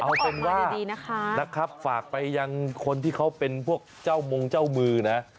เอาเป็นว่าดีนะคะนะครับฝากไปยังคนที่เขาเป็นพวกเจ้ามงเจ้ามือนะ